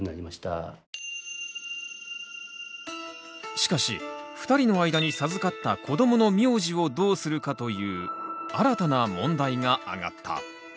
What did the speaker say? しかし２人の間に授かった子どもの名字をどうするかという新たな問題があがった。